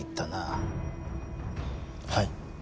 はい。